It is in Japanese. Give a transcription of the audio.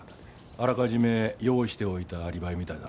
あらかじめ用意しておいたアリバイみたいだな。